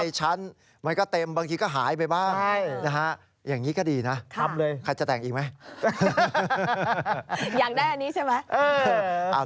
อยากได้อันนี้ใช่ไหม